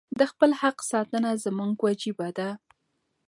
د خپل حق ساتنه زموږ وجیبه ده.